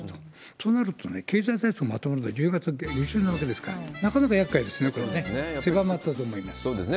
となると、経済対策まとめるの１０月下旬なわけですから、なかなかやっかいですね、これはね。狭そうですね。